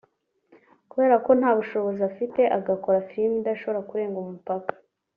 kubera ko nta bushobozi afite agakora filime idashobora kurenga umupaka